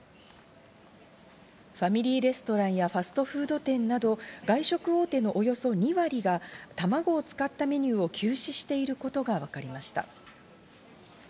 ファミリーレストランやファストフード店など、外食大手のおよそ２割がたまごを使ったメニューを休止していることがわかりました。